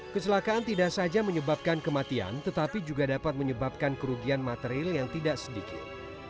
kecelakaan tidak saja menyebabkan kematian tetapi juga dapat menyebabkan kerugian material yang tidak sedikit